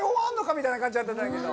みたいな感じだったんだけど。